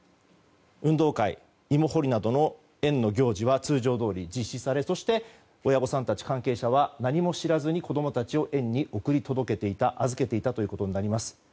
運動会、芋掘りなどの園の行事は通常どおり実施されそして親御さんたち関係者は何も知らずに子供たちを園に送り届けていた預けていたということになります。